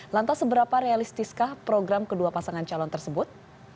lantas seberapa realistiskah program kedua pasangan calon tersebut